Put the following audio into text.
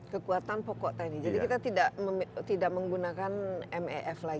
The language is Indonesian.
kekuatan pokok tadi jadi kita tidak menggunakan mef lagi